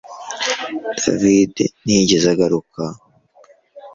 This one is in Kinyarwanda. David ntiyigeze agaruka